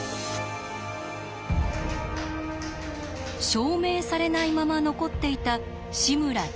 証明されないまま残っていた「志村−谷山予想」。